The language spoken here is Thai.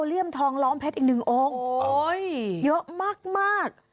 เลี่ยมทองล้อมเพชรอีกหนึ่งองค์โอ้ยเยอะมากมาก